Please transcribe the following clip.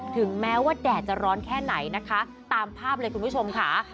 ถึงแม้ว่าแดดจะร้อนแค่ไหนนะคะตามภาพเลยคุณผู้ชมค่ะ